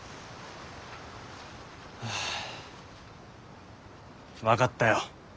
はぁ分かったよ。